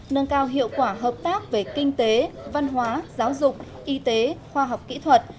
nâng cao hiệu quả hợp tác về kinh tế văn hóa giáo dục y tế khoa học kỹ thuật